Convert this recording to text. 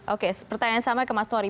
oke pertanyaan yang sama ke mas nuri